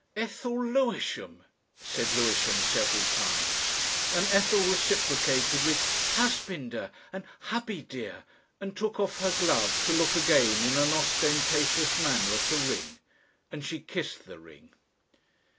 "Ethel Lewisham," said Lewisham several times, and Ethel reciprocated with "Husbinder" and "Hubby dear," and took off her glove to look again in an ostentatious manner at a ring. And she kissed the ring.